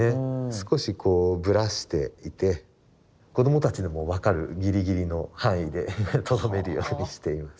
少しこうぶらしていて子供たちでも分かるギリギリの範囲でとどめるようにしています。